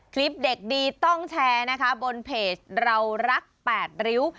คลิปเด็กดีต้องแชร์นะคะบนเพจเรารัก๘ริ้ว